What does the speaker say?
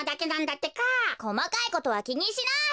こまかいことはきにしない！